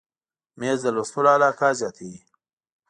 مېز د لوستلو علاقه زیاته وي.